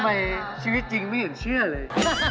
ทำไมชีวิตจริงไม่เห็นเชื่อเลย